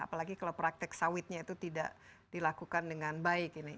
apalagi kalau praktek sawitnya itu tidak dilakukan dengan baik ini